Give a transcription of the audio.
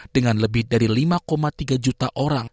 dengan lebih dari lima tiga juta orang